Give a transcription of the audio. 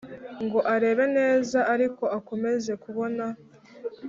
ngo arebe neza ariko akomeza kubona